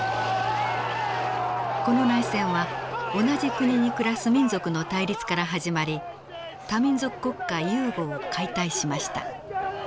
この内戦は同じ国に暮らす民族の対立から始まり多民族国家ユーゴを解体しました。